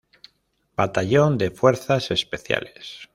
Batallón de Fuerzas Especiales.